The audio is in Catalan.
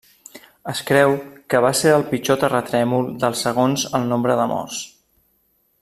Es creu que va ser el pitjor terratrèmol del segons el nombre de morts.